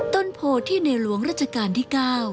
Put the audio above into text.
ต้นโพที่ในหลวงราชการที่๙